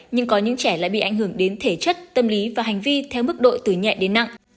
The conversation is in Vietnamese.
nhưng có những trẻ lại bị ảnh hưởng đến thể chất tâm lý và hành vi theo mức độ từ nhẹ đến nặng